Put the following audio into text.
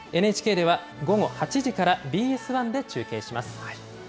ＮＨＫでは午後８時からＢＳ１で中継します。